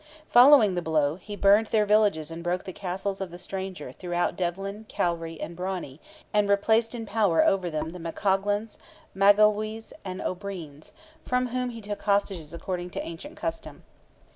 Following the blow, he burned their villages and broke the castles of the stranger throughout Devlin, Calry, and Brawny, and replaced in power over them the McCoghlans, Magawleys, and O'Breens, from whom he took hostages according to ancient custom.